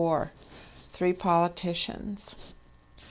Three Politicians.